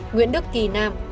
nguyễn đức kỳ nam